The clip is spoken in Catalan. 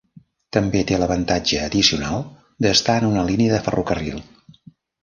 També té l'avantatge addicional d'estar en una línia de ferrocarril.